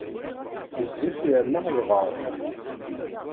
Ɣezzif yerna yeḍɛef.